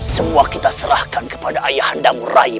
semua kita serahkan kepada ayahandamurai